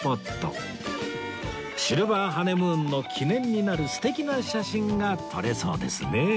シルバーハネムーンの記念になる素敵な写真が撮れそうですね